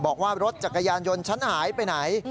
บอกว่ารถจักรยานยนต์ฉันหายไปไหน